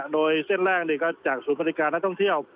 โดยเส้นแรกก็จากศูนย์บริการนักท่องเที่ยว